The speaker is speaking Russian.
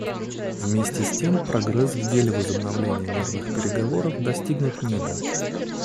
Вместе с тем прогресс в деле возобновления мирных переговоров достигнут не был.